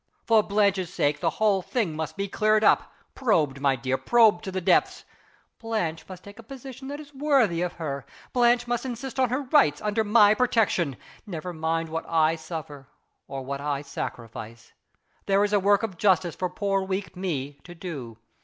For Blanche's sake, the whole thing must be cleared up probed, my dear, probed to the depths. Blanche must take a position that is worthy of her. Blanche must insist on her rights, under My protection. Never mind what I suffer, or what I sacrifice. There is a work of justice for poor weak Me to do.